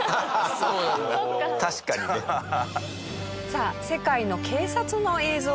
さあ世界の警察の映像